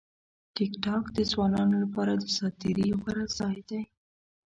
ټیکټاک د ځوانانو لپاره د ساعت تېري غوره ځای دی.